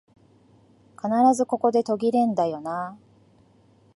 必ずここで途切れんだよなあ